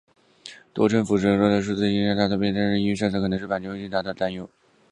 多国政府在数字音乐下载诞生之初便对于数字音乐下载可能存在的版权问题表达了担忧。